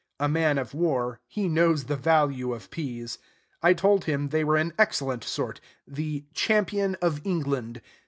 A man of war, he knows the value of peas. I told him they were an excellent sort, "The Champion of England."